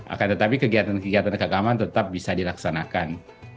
akan tetapi kegiatan kegiatan keagamaan tetap bisa dilaksanakan